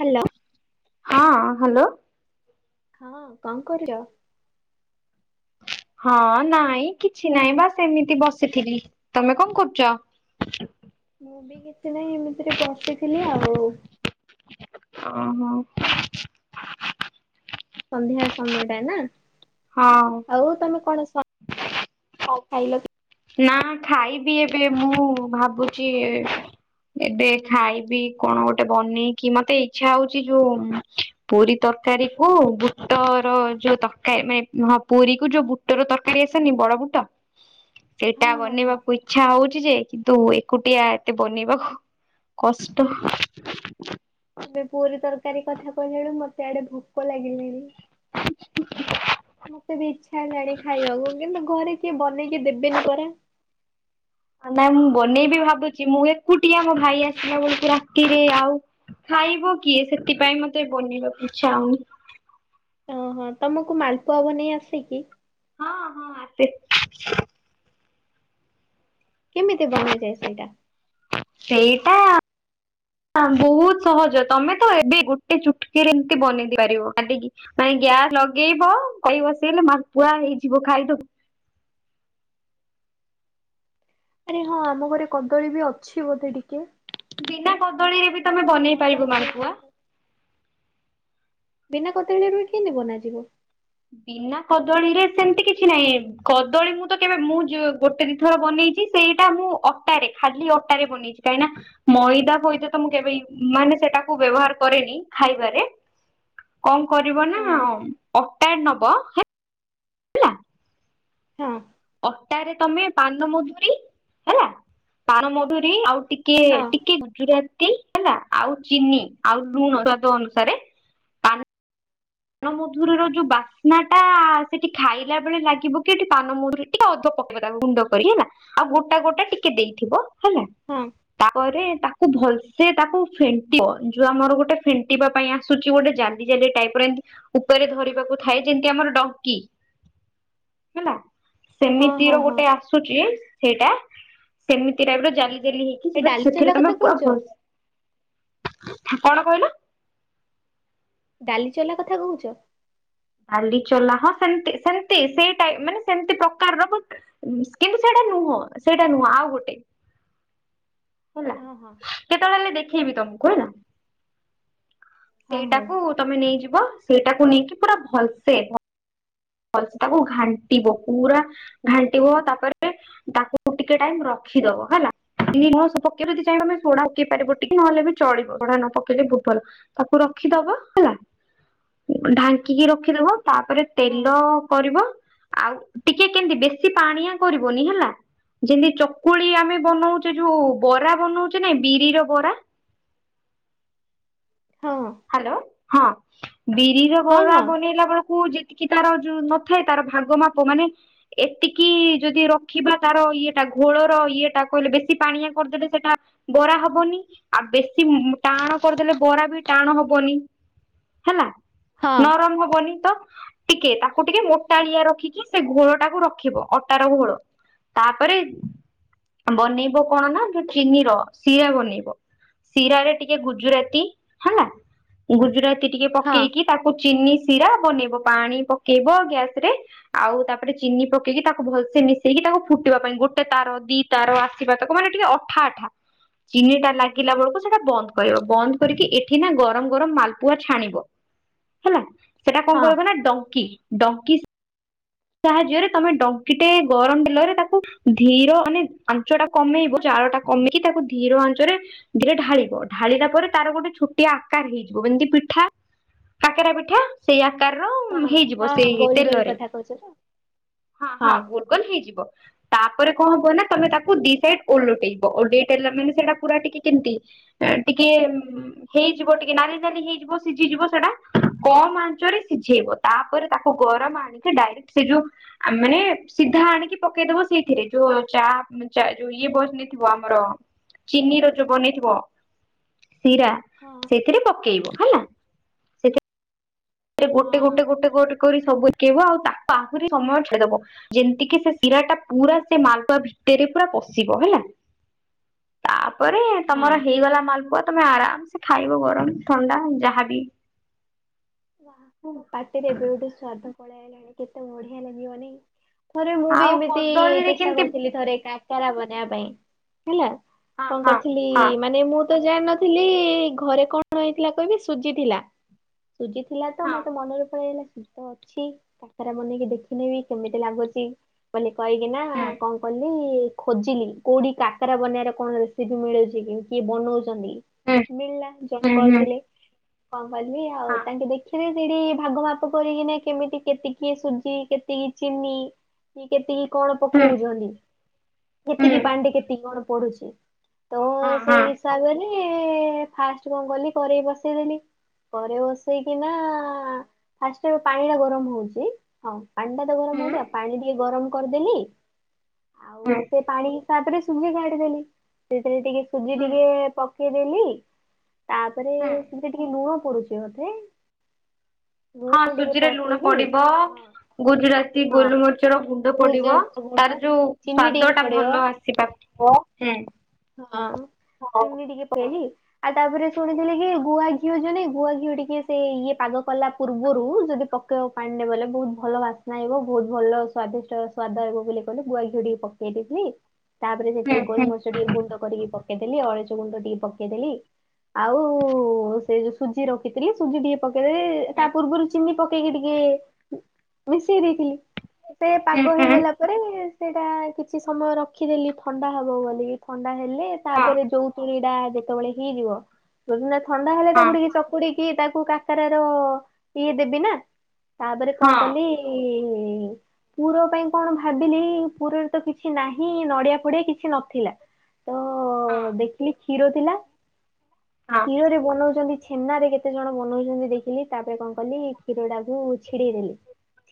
Hello. ହଁ hello. ହଁ, କଣ କରୁଛ? ହଁ, ନାଇଁ କିଛି ନାଇଁ ବାସ ଏମିତି ବସିଥିଲି। ତମେ କଣ କରୁଛ? ମୁଁ ବି କିଛି ନାହିଁ ଏମିତି ରେ ବସିଥିଲି ଆଉ। ଓହୋଃ। ସନ୍ଧ୍ୟା ସମୟଟା ନା? ହଁ। ଆଉ ତମେ କଣ ସ ହଉ। ଖାଇଲ କି? ନା ଖାଇବି ଏବେ ମୁଁ ଭାବୁଛି ଏବେ ଖାଇପିଇ କଣ ଗୋଟେ ବନିଇକି ମତେ ଇଛା ହଉଛି ଯୋଉ ପୁରୀ ତରକାରୀ କୁ ବୁଟର ଯୋଉ ତକା ମାନେ ହଁ ପୁରୀ କୁ ଯୋଉ ବୁ ବୁଟ ରୁ ତର୍କାରି ଆସେନି ବଡ ବୁଟ ସେଇଟା ହଁ ହଁ ହଁ ବନେଇବାକୁ ଇଚ୍ଛା ହଉଛି ଯେ କିନ୍ତୁ ଏକୁଟିଆ ଏତେ ବନେଇବାକୁ କଷ୍ଟ। ତମେ ପୁରୀ ତରକାରୀ କଥା କହିଲଳୁ ମତେ ଆଡେ ଭୋକ ଲାଗିଲାଣି। ମତେ ବି ଇଚ୍ଛା ହେଲାଣି ଖାଇବାକୁ କିନ୍ତୁ ଘରେ କିଏ ବନେଇକି ଦେବେନି ପରା। ନାଇଁ ମୁଁ ବନେଇବି ଭାବୁଛି ମୁଁ ଏକୁଟିଆ ମୋ ଭାଇ ଆସିଲା ବେଳକୁ ରାତିରେ ଆଉ ଖାଇବ କିଏ ସେଥିପାଇଁ ମତେ ବନିଇବାକୁ ଇଛାହଉନି। ଓହୋ ତମକୁ ମାଲପୁଆ ବନେଇ ଆସେ କିି? ହଁ ହଁ ଆସେ। କେମିତି ବନାଯାଏ ସେଇଟା। ସେଇଟା ହ ବହୁତ ସହଜ ତମେ ତ ଏବେ ଗୋଟେ ଚୁଟକିରେ ଏମିତି ବନେଇ ଦେଇ ପାରିବ କାଟିକି ମାଏଁ ଗ୍ୟାସ ଲଗେଇବ କଇ ବସେଇଲେ ମାଲପୁଆ ହେଇଯିବ ଖାଇଦ ଆରେ ହଁ ଆମ ଘରେ କଦଳୀ ବି ଅଛି ବୋଧେ ଟିକେ ବିନା କଦଳୀରେ ବି ତମେ ଖାଲି ବନେଇ ମଇଦା ପାରିବ ଅଛି ମାଲପୁଆ। ବିନା କଦଳୀ ରେ ବି କେମିତି ବନାଯିବ। ବିନା କଦଳୀରେ ସେମିତି କିଛି ନାହିଁ କଦଳୀ ମୁଁ ତ କେବେ ମୁଁ ଯୋଉ ଗୋଟେ ଦି ଥର ବନେଇ ଚି ସେଇଟା ମୁଁ ଅଟାରେ ଖାଲି ଅଟାରେ ବନେଇଚି କାହିଁନା ମଇଦା ଫଇଦା ତ ମୁଁ କେବେ ଇ ମାନେ ସେଟାକୁ ବ୍ୟବହାର କରେନି ଖାଇବାରେ। କଂ କରିବ ନା ଓହୋ ଅଁ ଟାଏଡ ନବ ହେ ହଁ। ଅଟାରେ ତମେ ପାନମଧୁରୀ ହେଲା ପାନମଧୁରୀ ଆଉ ଟିକିଏ ହଁ ଟିକିଏ ଗୁଜୁରାତି ହେଲା ଆଉ ଚିନି ଆଉ ଲୁଣ ସ୍ଵାଦ ଅନୁସାରେ ପାନ ପାନମଧୁରୀର ଯୋଉ ବାସ୍ନା ଟା ସେଠି ଖାଇଲା ବେଳେ ଲାଗିବ କି ଏଠି ପାନମଧୁରୀ ଟିକେ ଅଦ ପକେଇବା ତାକୁ ଗୁଣ୍ଡ କରିକି ହେଲା ଆଉ ଗୋଟା ଗୋଟେ ଟିକେ ଦେଇଥିବ ହେଲା। ହଁ। ତାପରେ ତାକୁ ଭଲସେ ତାକୁ ଫେଣ୍ଟିବ ଯୋଉ ଆମର ଗୋଟେ ଫେଣ୍ଟିବା ପାଇଁ ଆସ ସୁଚି ଗୋଟେ ଜାଲି ଜାଲି ଟାଇପର୍ ଏମତି ଉପରେ ଧରିବାକୁ ଥାଏ ଯେମିତି ଆମର ଡଙ୍କି ହେଲା। ହଁ ସେମିତି ର ହଁ ହଁ। ଗୋଟେ ଆସୁଚି ସେଇଟା ସେମିତି ଟାଇପ ର ଜାଲି ଜାଲି ହେଇ ଏ ଡାଲି ଚଲା କଥା କହୁଛ [unintelligible] କଣ କହିଲ। ଡାଲି ଚଲା କଥା କୋହୁଚ। ଡାଲି ଚଲା ହଁ ସେମତି ସେମତି ସେଇଟାଇ ମାନେ ସେମତି ପ୍ରକାରର ବ କିନ୍ତୁ ସେଇଟା ନୁହଁ ସେଇଟା ନୁହଁ ଆଉ ଗୋଟେ। ହେଲା ହଁ ହଁ। କେତେବେଳେ ହେଲେ ଦେଖେଇବି ତମକୁ ହେଲା। ହଁ ହଉ ସେଇଟାକୁ ତମେ ନେଇଯିବ ସେଇଟାକୁ ନେଇକି ପୁରା ଭଲସେ ଭଲସ ତାକୁ ଘାଣ୍ଟିବ ପୁରା ଘାଣ୍ଟିବ ତାପରେ ତାକୁ କୁ ଟିକେ ଟାଇମ ରଖିଦବ ହେଲା। ଦିନି ନୁହଁ ଶୋ ପକେଇ ଦି ଚାହିବ ତମେ ସୋଢା ପକେଇ ପାରିବ ଟିକେ ନହେଲେ ବି ଚଳିବ ସୋଢା ନ ପକେଇଲେ ବହୁତ ଭଲ। ତାକୁ ରଖିଦବ ହେଲା ଢାଙ୍କିକି ରଖିଦବ ତାପରେ ହଁ ତେଲ ଲ କରିବ ଆଉ ଟିକେ କେମିତି ବେଶୀ ପାଣିଆ କରିବନି ହେଲା। ଯେମିତି ଚକୁଳି ଆମେ ବନଉଛେ ଯୋଉ ବରା ବନଉଛେ ନାଇ ବିରିର ବରା। ହଁ। ହାଲୋ ହଁ ବିରିର ହଁ ବରା ହଁ ବନେଇଲା ବେଳକୁ ଯେ କି ତାର ଯୋଉ ନଥାଏ ତାର ଭାଗ ମାପ ମାନେ ଏତିକି ଯଦି ରଖିବା ତାର ଇଏଟା ଘୋଳର ଇଏଟା କହିଲେ ବେଶୀ ପାଣିଆ କରିଦେଲେ ସେଟା ବରା ହବନି ଆଉ ବେଶୀ ଟାଣ କରିଦେଲେ ବରା ବି ଟାଣ ହବନି ହେଲା ହଁ ନରମ ହବନି ତ ଟିକିଏ ତାକୁ ଟିକିଏ ମୋଟାଳିଆ ରଖିକି ସେ ଘୋଳ ଟାକୁ ରଖିବ ଅଟାର ଘୋଳ। ତାପରେ ବନେଇବ କଣ ନା ଯୋଉ ଚିନି ର ଶିରା ବନେଇବ। ଶିରାରେ ଟିକେ ଗୁଜୁରାତି ହେଲା ଗୁଜୁରାତି ଟିକେ ହଁ ହଁ। ପକେଇକି ତାକୁ ଚିନି ଶିରା ବନେଇବ ପାଣି ପକେଇବ ଗ୍ୟାସ ରେ। ଆଉ ତାପରେ ଚିନି ପକେଇକି ତାକୁ ଭଲସେ ମିଶେଇକି ତାକୁ ଫୁଟିବା ପାଇଁ ଗୋଟେ ତାର ଦି ତାର ଆସିବା ତାକୁ ମାନେ ଟିକିଏ ଅଠା ଅଠା ଚିନିଟା ଲାଗିଲା ବଳକୁ ସେଟା ବନ୍ଦ କରିବ ବନ୍ଦ କରିକି ଏ ଠି ନା ଗରମ ଗରମ ମାଲପୁଆ ଛାଣିବ ହେଲା ସେଟା ହଁ କଣ୍ ହଁ କହିବ ନା ଡଙ୍କି। ଡଙ୍କି ସାହାଯ୍ୟରେ ତମେ ଡଙ୍କିଟେ ଗରମ ବେଲରେ ତାକୁ ଧୀର ମାନେ ଆଞ୍ଚଟା କମେଇବ ଜାଳଟା କମେଇକି ତାକୁ ଧୀର ଆଞ୍ଚରେ ଧିରେ ଢାଳିବ ଢାଳିଲା ପରେ ତାର ଗୋଟେ ଛୋଟିଆ ଆକାର ହେଇଯିବ ଏମିତି ପିଠା। କାକେରା ପିଠା ସେଇ ଆକାର ହେଇଯିବ ସେଇ ତେଲରେ। ସଜନା। ହଁ ହଁ ଗୋଲ୍ ଗୋଲ୍ ହେଇଯିବ। ତାପରେ କଣ ହବ ନା ତମେ ତାକୁ ଦି ସାଇଟି ଓଲଟେଇବ ଓଲଟେଇସାରିଲା ମାନେ ସେଇଟା ପୁରା ଟିକିଏ କେମିତି ଏଁ ଟିକିଏ ଉଁ ଉଁ ହେଇଯିବ ଟିକିଏନାଲି ନାଲି ହେଇଯିବ ସିଝିଯିବ ସେଟା କମ୍ ଆଞ୍ଚରେ ସିଝେଇବ। ତାପରେ ତାକୁ ଗରମ ଆଣିକି ଡାଇରେକ୍ଟ ସେ ଯୋଉ ଆମାନେ ସିଧା ଆଣିକି ପକେଇଦବ ସେଇଥିରେ ଯୋଉ ଚା ଯୋଉ ଇଏ ବସିନଥିବ ଆମର ଚିନି ର ଯୋଉ ବନେଇଥିବ ଶିରା ହଁ ସେଇଥିରେ ପକେଇବ ହେଲା। ସେଥିରେ ଗୋଟେ ଗୋଟେ ହଁ ଗୋଟେ ଗୋଟେ କରି ସବୁପକେଇବ ଆଉ ତାକୁ ଆହୁରି ସମୟ ଛାଡିଦବ। ଯେମିତିକି ସେ ଶିରା ଟା ପୁରା ସେ ମାଲୁଆ ଭିତରେ ପୁରା ପଶିବ ହେଲା। [inaudible] ତାପରେ ହଁ। ତମର ହେଇଗଲା ମାଲପୁଆ ତମେ ଆରାମସେ ଖାଇବ ଗରମ ଥଣ୍ଡା ଯାହାବି। ବା ମୋ ପାଟିରେ ଏବେଠୁ ସ୍ଵାଦ ପଳେଇଆଇଲାଣି କେତେ ବଢିଆ ଲାଗିବନେହଁ। ଥରେ ମୁଁ ବି ଆଉ ଏମିତି କଦଳୀରେ ଚେଷ୍ଟା କେମିତି କରିଥିଲି ଥରେ କାକରା ବନେଇବା ପାଇଁ ହେଲା। ହଁ କଣ ହଁ କରିଥିଲି ହଁ ମାନେ ମୁଁ ତ ଜାଣିନଥିଲି ଘରେ କଣ ହେଇଥିଲା କହିବି ସୁଜି ଥିଲା। ସୁଜି ଥିଲା ତ ହଁ ମତେ ମନରେ ପଳେଇଲା କି? ତ ଅଛି କାକରା ବନେଇକି ଦେଖିନେବି କେମିତି ଲାଗୁଛି ବୋଲି କହିକିନା ହୁଁ କଣ? ଗଲି ଖୋଜିଲି କୋଉଠି କାକରା ବନେଇବାର କଣ ରେସିପି ମିଳୁଚି କି କିଏ ବନଉଚନ୍ତି କି? ହୁଁ ମିଳିଲା ଜଣେ ହୁଁ ହୁଁ କରିଥିଲେ କଣ କଲି ଆଉ ହଁ ତାଙ୍କେ ଦେଖିଲି। ସେଠି ଭାଗ ମାପ କରିକିନା କେମିତି କେତିକି ସୁଜି କେତିକି ଚିନି କି କେତିକି? କଣ ହୁଁ ପକଉଚନ୍ତି ହୁଁ କେତିକି ପାଣିରେ କେତିକି କଣ ପଡୁଚ? ତ ହଁ ସେଇ ହଁ ହିସାବରେ ଫାଷ୍ଟ କଁ କଲି କରେଇ ବସେଇଦେଲି କରେ ବସ୍ ସେଇକିନା ଫାଷ୍ଟେ ପାଣିଟା ଗରମ ହେଉଚି। ହଁ ପାଣିଟା ତ ଗରମ ହୁଁ ହଉଚି ଆଉ ପାଣି ଟିକେ ଗରମ କରିଦେଲି। ଆଉ ହୁଁ ସେ ପାଣି ହିସାବରେ ସୁଜି କାଢିଦେଲି ସେଥିରେ ଟିକେ ସୁଜି ହୁଁ ଟିକେ ପ କେ ଦେଲି ତାପରେ ହୁଁ ସେମିତି ଟିକେ ଲୁଣ ପଡୁଛି ବୋଧେ। ହଁ ଲୁଣ ଟିକେ ସୁଜିରେ ଲୁଣ ପକେଇଲି। ପଡିବ। ଗୁଜୁରାତି ହଁ ଗୋଲୁମରିଚର ଗୁଣ୍ଡ ପଡିବ, ଭୁଜଙ୍ଗ ତାର ଗୁଣ୍ଡ ଯୋଉ ଚିନି ସ୍ଵାଦ ଟିକେ ଟା ପଡିବ। ଭଲ ଆସ ହୁଁ, ହଁ ହୁଁ ଚିିନି ଟିକେ ପକେଇଲି। ଆଉ ତାପରେ ଶୁଣିଥିଲି କି ଗୁଆ ଘିଅ ଜଣେ ଗୁଆ ଘିଅ ଟିକେ ସେ ଇଏ ପାଗ କଲା ପୂର୍ବରୁ ଯଦି ପ କ ପାଣିନେ ପଇଲେ ବହୁତ ଭଲ ବାସ୍ନା ଆସିବ, ବହୁତ ଭଲ ସ୍ଵାଦିଷ୍ଟ ସ୍ୱାଦ ଆଇବ ବୋଲି କହିଲେ ଗୁଆ ଘିଅ ଟିକେ ପ କେ ଦେଇଥିଲି। ତାପରେ ସେଥିରେ ହୁଁ ଗୋଲମରିଚ ଟିକେ ଗୁଣ୍ଡ କରିକି ପକେଇଦେଲି, ଓ ଅଳେଇଚ ଗୁଣ୍ଡ ଟିକେ ପକେଇଦେଲି। ଆଉ ସେ ଯୋଉ ସୁଜି ରଖିଥିଲି ସୁଜି ଟିକେ ପକେଇଦେଇ ତା ହୁଁ ପୂର୍ବରୁ ଚିନି ପ କେଇକି ଟିକେ ମିଶେଇ ଦେଇଥିଲି, ସେ ହୁଁ ପାଗ ହୁଁ ହେଇଗଲା। ପରେ ସେଇଟା କିଛି ସମୟ ରଖିଦେଲି ଥଣ୍ଡା ହବ ବୋଲିକି। ଥଣ୍ଡା ହେଲେ ହଁ ତାପରେ ଯୋଉ ତୁରିଡା ଯେତେବେଳେ ହେଇଯିବ [inaudible] ଥଣ୍ଡା ହେଲେ ହଁ ତାକୁ ଟିକେ ଚକୁଡିକି ତାକୁ କାକରାର ଇଏ ଦେବି ନା। ତାପରେ କଣ ହଁ କଲି ପୁର ପାଇଁ କଣ ଭାବିଲି ପୁରରେ ତ କିଛି ନାହିଁ ନଡିଆ ଫଡିଆ କିଛି ନଥିଲା। ତ ହଁ ଦେଖିଲି କ୍ଷୀର ଥିଲା, ହଁ କ୍ଷୀରରେ ବନଉଚନ୍ତି ଛେନାରେ କେତେ ଜଣ ବନଉଚନ୍ତି ଦେଖିଲି, ତାପରେ କଣ କଲି କ୍ଷୀର ଟାକୁ ଛିଡେଇ ଦେଲି,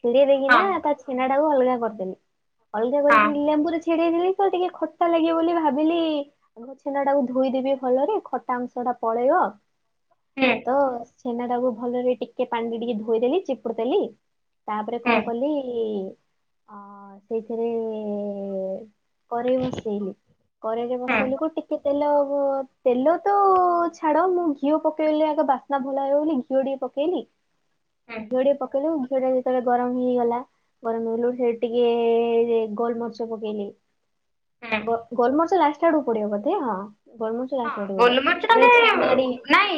ଛିଡେଇ ଦେଇକିନା ହଁ ତା ଛେନାଟାକୁ ଅଲଗା କରିଦେଲି। ଅଳଗା କରିକି, ହଁ ଲେମ୍ବୁରେ ଛିଡେଇଥିଲି ତ ଟିକେ ଖଟା ଲାଗିବ ବୋଲି ଭାବ ବିଲି ଆଘ ଛେନା ଟାକୁ ଧୋଇଦେବି ଭଲରେ ଖଟା ଅଂଶ ଟା ପଳେଇବ। ହୁଁ। ତ ଛେନା ଟାକୁ ଭଲରେ ଟିକେ ପାଣିରେ ଟିକେ ଧୋଇଦେଲି ଚିପୁଡ଼ି ଦେଲି। ତାପରେ କଣ କଲି ଅ, ସେଇଥିରେ କରେଇ ବସେଇଲି, କରେଇରେ ହୁଁ ବସେଇଲି କୁ ଟିକେ ତେଲ ଗ ତେଲ ତ ଛାଡ ମୁଁ ଘିଅ ପକେଇଲି ଆଗ ବାସ୍ନା ଭଲ ଆଇବ ବୋଲି ଘିଅ ଟିକେ ପକେଇଲି। ହୁଁ ଘିଅ ଟିକେ ପକେଇଲୁ ଘିଅ ଟା ବି ଯେତେଳେ ଗରମ ହେଇଗଲା, ଗରମ ହେଲୁର୍ ସେ ଟିକେ ଯେ ଗୋଲମରିଚ ପକେଇଲି। ହୁଁ ଗ- ଗୋଲମରିଚ ଲାଷ୍ଟା ଆଡକୁ ପଡିବ ବୋଧେ ହଁ, ଗୋଲମଚ ହଁ ଗୋଲମରିଚ ଟାକୁ ନାଇଁ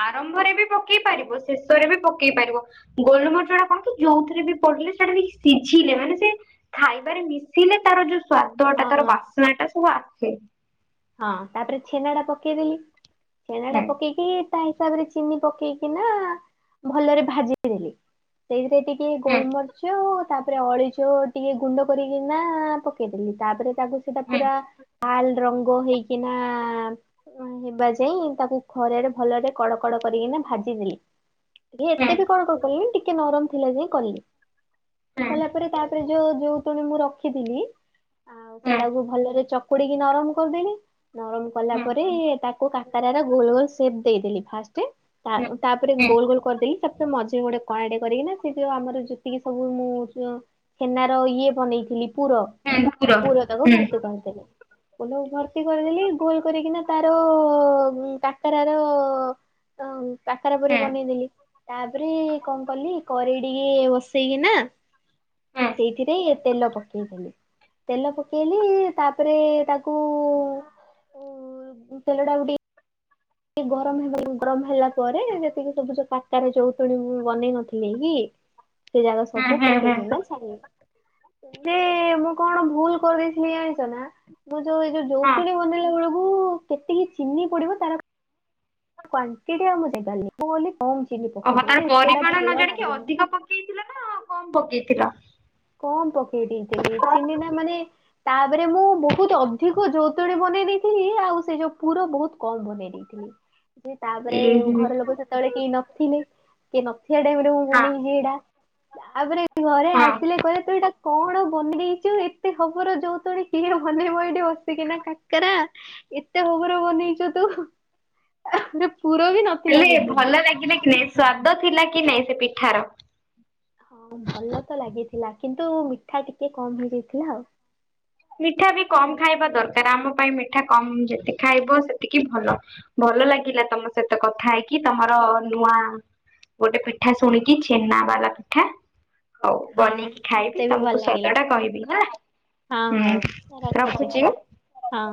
ଆରମ୍ଭରେ ବି ପକେଇ ପାରିବ ଶେଷରେ ବି ପକେଇ ପାରିବ। ଗୋଲମରିଚ ଟା କଣ କି ଯୋଉଥିରେ ବି ପଡିଲେ ସେଟା ବି ସିଝିଲେ ମାନେ ସେ ଖାଇବାରେ ମିଶିଲେ ତାର ଯୋଉ ସ୍ଵାଦ ଟା ହଁ ତାର ହଁ ବାସ୍ନା ଟା ସବୁ ଆସେ। ହଁ ତାପରେ ଛେନା ଟା ପକେଇଦେଲି, ଛେନା ଟା ହୁଁ। ପକେଇ କି ତା ହିସାବରେ ଚିନି ପକେଇକି ନା ଭଲରେ ଭାଜିଦେଲି। ସେଇଥିରେ ଟିକେ ହୁଁ ଗୋଲମରିଚ ତାପରେ ଅଳେଇଚ ଟିକେ ଗୁଣ୍ଡ କରିକିନା ପକେଇଦେଲି। ତାପରେ ତାକୁ ସେଇଟା ହୁଁ ପୁରା ଲାଲ୍ ରଙ୍ଗ ହେଇକିନା ଅ, ହେବା ଯାଏ ତାକୁ ଖରାରେ ଭଲରେ କଡ କଡ କରିକିନା ଭାଜିଦେଲି। ଯେ ହୁଁ ଏତେ ବି କଣ କରଦେଲି ଟିକେ ନରମ ଥିଲା ଯାଏ କଲି। କଲା ପରେ ତା ପରେ ଯୋଉ ଯୋଉ ତୋମେ ମୁଁ ରଖିଥିଲି ଆଉ ହୁଁ ହୁଁ। ସେଟାକୁ ଭଲରେ ଚକୁଡିକି ନରମ କରିଦେଲି ନରମ କଲା ହୁଁ ପରେ ହୁଁ ତାକୁ କାକାରା ରା ଗୋଲ୍ ଗୋଲ୍ ସେପ୍ ଦେଇଦେଲି ଫାଷ୍ଟ। ତା ଅ, ତାପରେ ହୁଁ ଗୋଲ୍ ଗୋଲ୍ କରିଦେଲି ତାପରେ ମଝିରେ ଗୋଟେ କଣାଟେ କରିକିନା ସେ ଯୋଉ ଆମର ଯେତିକି ସବୁ ମୁଁ ସ ଛେନାର ଇଏ ବନେଇଥିଲି ପୁର ପୁର ତାକୁ ହୁଁ ହୁଁ। ଭର୍ତ୍ତି କରିିଦେଲି। [unintelligible] ଭର୍ତ୍ତି କରିଦେଲି ଗୋଲ୍ କରିକିନା ତାର କାକେରା ର ଅ- କାକେରା ପରି ହୁଁ ବନେଇଦେଲି। ତାପରେ କଣ୍ କଲି କରେଇ ଟିକେ ବସେଇକି ନା ହୁଁ ସେଇଥିରେ ତେଲ ପକେଇ ଦେଲି ତେଲ ପକେଇଲି ତାପରେ ତାକୁ କୁ ଉଁ -ତେଲ ଟାଗୁ ଟିକେ ଗରମ୍ ହେବା ଗରମ୍ ହେଲା ପରେ ସେତିକି ସବୁ ଯଉ କାକେରା ଜନ୍ତୁଣି ବନେଇ ନଥିଲି କି ସେ ଯାକ ସବୁ ହୁଁ ହୁଁ ପକେଇକି ନା ଯେ ମୁଁ କଣ ଭୁଲ୍ କରିଦେଇଥିଲି ଜାଣିଚ ନା ତ ଯଉ ଏଇ ଯଉ ହଁ। ଯନ୍ତୁଣୀ ବନେଇଲା ବେଳକୁ କେତିକି ଚିନି ପଡିବ ତାର କ୍ଵାଣ୍ଟିଟି କମ ଚିନି ଓହୋ ତାର ପକେଇଦେଲି ଏତେଟା ପରିମାଣ ଭଲ ନ ଜାଣିକି ଲାଗେନି। ଅଧିକ ପକେଇଥିଲ ନା କମ୍ ପକେଇଥିଲ? କମ୍ ପକେଇ ଦେଇଥିଲି ଚିିନି ଟା ମାନେ ତାପରେ ମୁଁ ବହୁତ ଅଧିକ ଯନ୍ତୁଣୀ ବନେଇ ଦେଇଥିଲି ଆଉ ସେ ଯଉ ପୁର ବହୁତ୍ କମ୍ ବନେଇ ଦେଇ ଥିଲି। ଏ ତାପରେ ଘର ଲୋକ ସେତେବେଳେ ହେ। କେହି ନଥିଲେ କି ନଥିବା ଟାଇମ୍ ରେ ମୁଁ ହଁ ବନେଇଚି ଏଟା। ତାପରେ ଘରେ ଆ ହଁ କହିଲେ ତୁ ଏଇଟା କଣ ବନେଇଚୁ ଏତେ ହବର ଜନ୍ତୁଣି କିଏ ବନେଇବ ଏଇଠି ବସିକିନା କା କେରା ଏତେ ହବର ବନେଇଚୁ ତୁ ପୁର ବି ନଥି ହେଲେ ଭଲ ଲାଗିଲା କି ନାଇଁ ସ୍ଵାଦ ଥିଲା କି ନାଇଁ ସେ ପିଠାର? ହଁ ଭଲ ତ ଲାଗିଥିଲା କିନ୍ତୁ ମିଠା ଟିକେ କମ୍ ହେଇଯାଇଥିଲା ଆଉ। ମିଠା ବି କମ୍ ଖାଇବା ଦରକାର୍ ଆମ ପାଇଁ ମିଠା କମ୍ ଯେତିକି ଖାଇବ ସେତିକି ଭଲ। ଭଲ ଲାଗିଲା ତମ ସହିତ କଥା ହେଇକି ତମର ନୂଆ ଗୋଟେ ପିଠା ଶୁଣିକି ଛେନାବାଲା ପିଠା। ହଉ ହଁ ବନେଇକି ଖାଇବି ମତେ ବି ଭଲ ତମକୁ ଲାଗିଲା ସ୍ୱାଦ ଟା କହିବି ହେଲା। ହଁ ହୁଁ ହଉ ରଖୁଛି ରଖୁଚି। ହଁ।